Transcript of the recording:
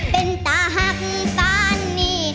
เป็นตาหักปานนี้